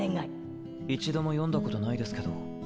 一度も読んだことないですけど。